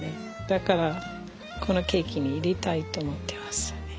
だからこのケーキに入れたいと思ってますよね。